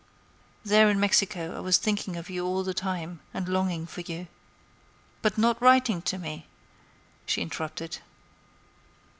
"There in Mexico I was thinking of you all the time, and longing for you." "But not writing to me," she interrupted.